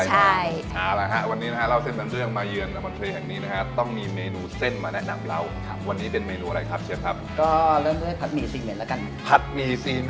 ให้มันคิดเหยือนตาแปลกออกไป